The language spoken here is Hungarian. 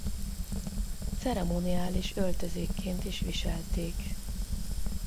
Ceremoniális öltözékként is viselték.